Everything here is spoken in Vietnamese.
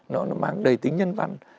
nó mang đầy tính nhân văn